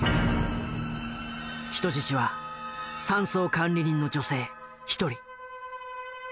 人質は山荘管理人の女性１人。